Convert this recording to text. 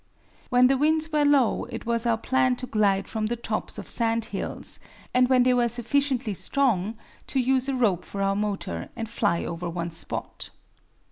When the winds were low it was our plan to glide from the tops of sand hills, and when they were sufficiently strong to use a rope for our motor and fly over one spot.